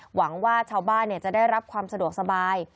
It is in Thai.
หวังว่าชาวบ้านจะได้รับความสะดวกสบาย